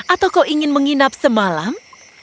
atau kau ingin menginap semalam